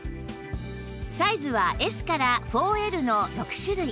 サイズは Ｓ から ４Ｌ の６種類